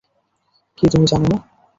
কি, তুমি জান না?